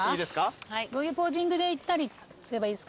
どういうポージングでいったりすればいいですかね。